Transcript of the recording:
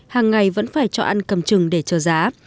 hàng ngày vẫn phải cho ăn cầm chừng để chờ giá